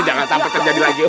jangan sampai terjadi lagi